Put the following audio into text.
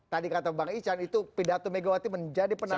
tadi kata bang ican itu pidato megawati menjadi penanda